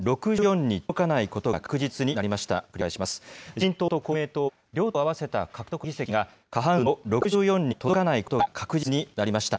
自民党と公明党は両党合わせた獲得議席が過半数の６４に届かないことが確実になりました。